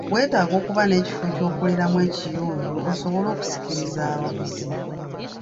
Weetaaga okuba n'ekifo ky'okoleramu ekiyonjo osobole okusikiriza abaguzi.